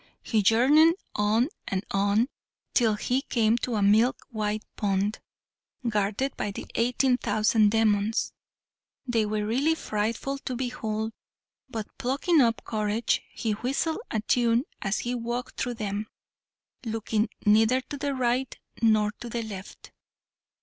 He journeyed on and on till he came to a milk white pond, guarded by the eighteen thousand demons. They were really frightful to behold, but, plucking up courage, he whistled a tune as he walked through them, looking neither to the right nor the left.